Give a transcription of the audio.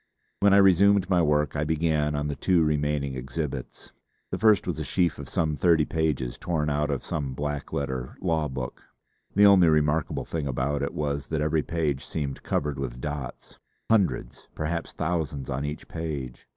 When I resumed my work I began on the two remaining exhibits. The first was a sheaf of some thirty pages torn out of some black letter law book. The only remarkable thing about it was that every page seemed covered with dots hundreds, perhaps thousands on each page.